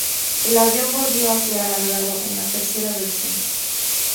El avión volvió a ser alargado en la tercera versión.